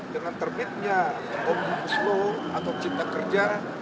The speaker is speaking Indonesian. dengan terbitnya undang undang slow atau cipta kerja